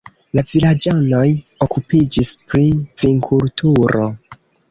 La vilaĝanoj okupiĝis pri vinkulturo.